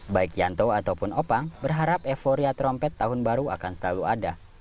baik yanto ataupun opang berharap euforia trompet tahun baru akan selalu ada